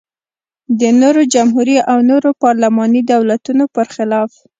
د نورو جمهوري او نورو پارلماني دولتونو پرخلاف.